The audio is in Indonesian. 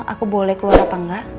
aku boleh keluar apa enggak